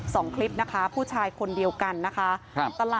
สองคลิปนะคะผู้ชายคนเดียวกันนะคะครับ